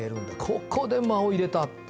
ここで間を入れたって